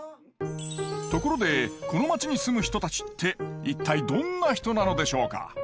ところでこの町に住む人たちって一体どんな人なのでしょうか？